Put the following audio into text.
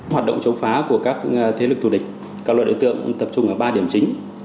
hoạt động chống phá của các thế lực thù địch các loại đối tượng tập trung ở ba điểm chính